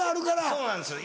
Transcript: そうなんですよ